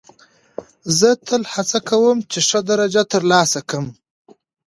زه تل هڅه کوم، چي ښه درجه ترلاسه کم.